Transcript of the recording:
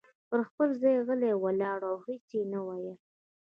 پر خپل ځای غلی ولاړ و او هیڅ یې نه ویل.